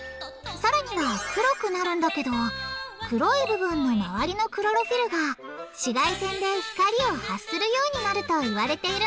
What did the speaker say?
さらには黒くなるんだけど黒い部分のまわりのクロロフィルが紫外線で光を発するようになるといわれているんだ。